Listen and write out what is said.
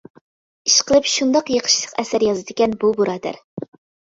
ئىشقىلىپ شۇنداق يېقىشلىق ئەسەر يازىدىكەن بۇ بۇرادەر.